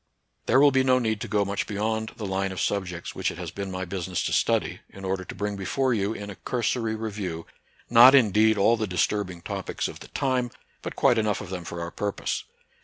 There will be no need to go much beyond the line of subjects which it has been my busi ness to study, in order to bring before you, in a cursory review, not indeed all the disturbing topics of the time, but quite enough of them for our purpose.